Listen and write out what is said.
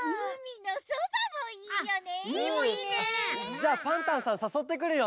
じゃあパンタンさんさそってくるよ。